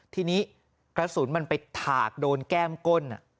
ทีนี้กระสุนมันไปถากโดนแก้มก้น